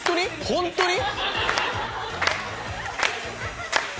本当に⁉